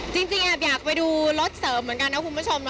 จริงแอบอยากไปดูรถเสริมเหมือนกันนะคุณผู้ชม